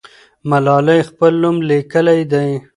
ملالۍ خپل نوم لیکلی دی.